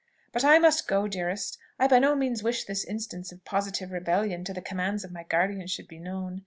But I must go, dearest! I by no means wish this instance of positive rebellion to the commands of my guardian should be known.